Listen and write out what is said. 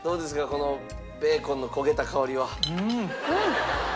このベーコンの焦げた香りは。